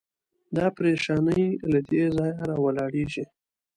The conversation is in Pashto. دا پرېشاني له دې ځایه راولاړېږي.